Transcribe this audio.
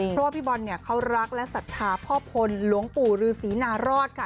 เพราะว่าพี่บอลเนี่ยเขารักและศรัทธาพ่อพลหลวงปู่ฤษีนารอดค่ะ